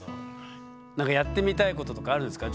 何かやってみたいこととかあるんですか？